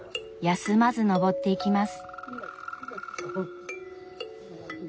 休まず上っていきます。